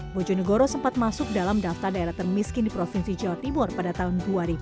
bojonegoro sempat masuk dalam daftar daerah termiskin di provinsi jawa timur pada tahun dua ribu dua